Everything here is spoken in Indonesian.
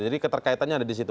jadi keterkaitannya ada di situ